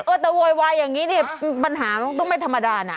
เออแต่โวยวายอย่างนี้เนี่ยปัญหาต้องไม่ธรรมดานะ